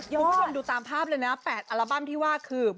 คุณผู้ชมดูตามภาพเลยนะ๘อัลบั้มที่ว่าคือ